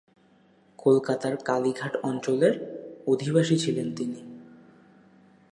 কলকাতার কালীঘাট অঞ্চলের অধিবাসী ছিলেন তিনি।